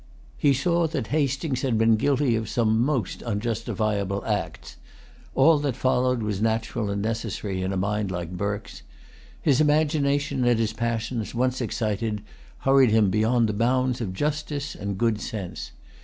He saw that Hastings had been guilty of some most unjustifiable acts. All that followed was natural and necessary in a mind like Burke's. His imagination and his passions, once excited, hurried him beyond the bounds of justice and good sense.